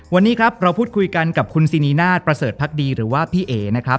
วันนี้ครับเราพูดคุยกันกับคุณซินีนาฏประเสริฐพักดีหรือว่าพี่เอ๋นะครับ